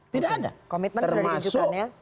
tidak ada termasuk